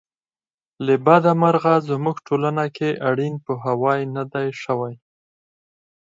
له بده مرغه زموږ ټولنه کې اړین پوهاوی نه دی شوی.